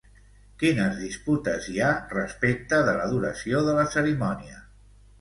Quines disputes hi ha respecte de la duració de la cerimònia?